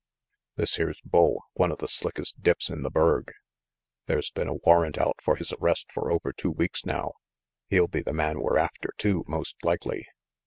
"This here's Bull, one o' the slickest dips in the burg. There's been a warrant out for his arrest for over two weeks now. He'll be the man we're after, too, most likely.